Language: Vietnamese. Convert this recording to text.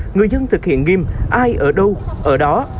người dân thực hiện nghiêm ai ở đâu ở đó